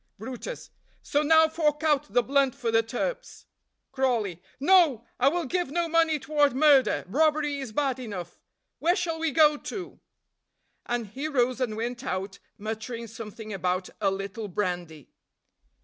brutus. "So now fork out the blunt for the turps." Crawley. "No! I will give no money toward murder robbery is bad enough. Where shall we go to?" And he rose and went out, muttering something about "a little brandy."